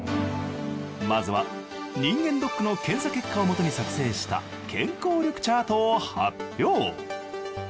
まずは人間ドックの検査結果をもとに作成した健康力チャートを発表。